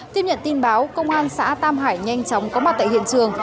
tiếp nhận tin báo công an xã tam hải nhanh chóng có mặt tại hiện trường